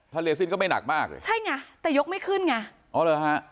ถ้าเลซินก็ไม่หนักมากเลยใช่ไงแต่ยกไม่ขึ้นไงอ๋อเหรอฮะ